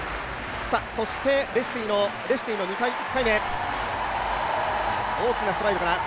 そして、レシュティの１回目。